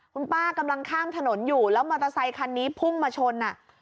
คุณป้ากำลังข้ามถนนอยู่แล้วมอเตอร์ไซคันนี้พุ่งมาชนอ่ะ